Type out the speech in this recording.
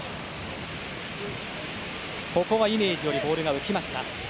ここはイメージよりボールが浮きました。